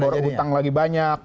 pemborosan lagi banyak